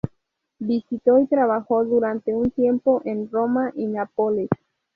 Visitó y trabajó durante un tiempo en Roma y Nápoles.